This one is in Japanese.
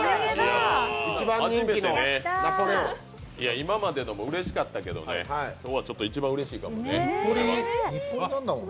今までのもうれしかったけどね、今日は一番うれしいかもね。